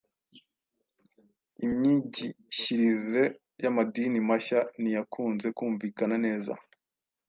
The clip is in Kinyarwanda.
Imyigishyirize y'amadini mashya ntiyakunze kumvikana neza